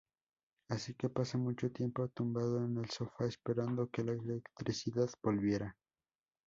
Así que pasó mucho tiempo tumbado en el sofá esperando que la electricidad volviera.